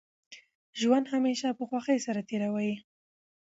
ژوند همېشه په خوښۍ سره تېروئ!